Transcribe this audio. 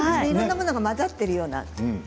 いろんなものが混ざっているような。